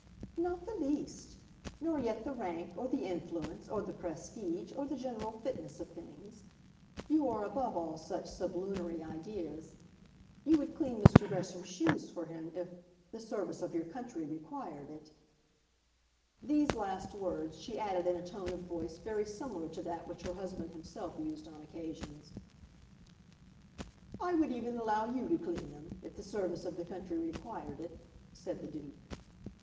"Not the least; nor yet the rank, or the influence, or the prestige, or the general fitness of things. You are above all such sublunary ideas. You would clean Mr. Gresham's shoes for him, if the service of your country required it." These last words she added in a tone of voice very similar to that which her husband himself used on occasions. "I would even allow you to clean them, if the service of the country required it," said the Duke.